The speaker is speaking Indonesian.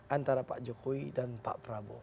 antara pak jokowi dan pak prabowo